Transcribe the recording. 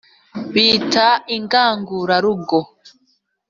Bita Ingangurarugo